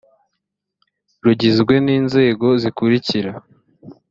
rugizwe n’inzego zikurikira